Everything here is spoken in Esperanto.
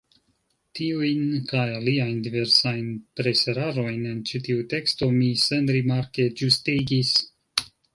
Tiujn, kaj aliajn diversajn preserarojn en ĉi tiu teksto, mi senrimarke ĝustigis.